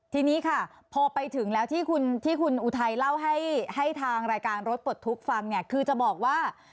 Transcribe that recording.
ทีนี้ค่ะพอไปถึงแล้วที่คุณอุทัยเล่าให้ทางรายการรถปลดทุกข์ฟังเนี่ยคือจะบอกว่า